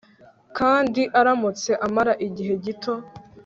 kandi aramutse amara igihe gito